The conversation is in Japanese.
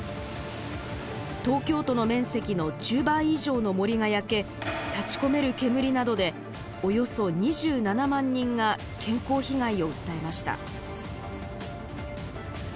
東京都の面積の１０倍以上の森が焼け立ちこめる煙などでおよそ２７万人が健康被害を訴えました。